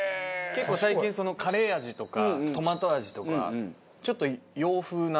結構最近カレー味とかトマト味とかちょっと洋風な。